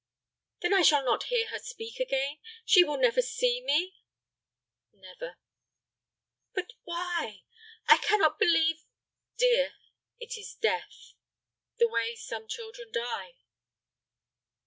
"Then I shall not hear her speak again; she will never see me?" "Never." "But why? I cannot believe—" "Dear, it is death—the way some children die."